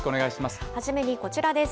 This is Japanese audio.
初めにこちらです。